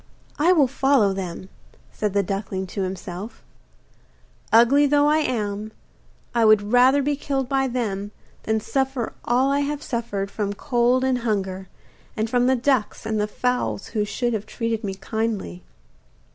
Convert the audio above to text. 'I will follow them,' said the duckling to himself; 'ugly though I am, I would rather be killed by them than suffer all I have suffered from cold and hunger, and from the ducks and fowls who should have treated me kindly.